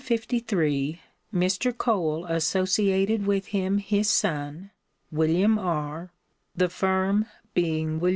In 1853 Mr. Cole associated with him his son, William R., the firm being Wm.